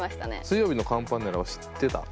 水曜日のカンパネラは知ってた？